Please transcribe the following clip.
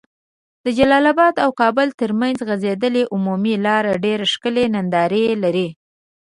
د جلال اباد او کابل تر منځ غځيدلي عمومي لار ډيري ښکلي ننداري لرې